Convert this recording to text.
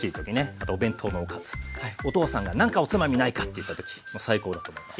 あとお弁当のおかずお父さんが「なんかおつまみないか」と言った時もう最高だと思います。